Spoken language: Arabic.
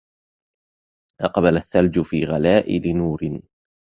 أقبل الثلج في غلائل نور